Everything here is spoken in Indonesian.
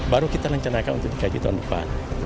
baru kita rencanakan untuk dikaji tahun depan